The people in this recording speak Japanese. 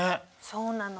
そうなの。